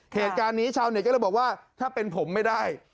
เหตุการณ์นี้ชาวเน็ตก็เลยบอกว่าถ้าเป็นผมไม่ได้